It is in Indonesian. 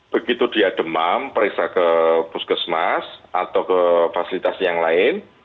begitu dia demam periksa ke puskesmas atau ke fasilitas yang lain